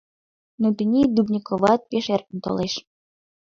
Но тений Дубниковат пеш эркын толеш.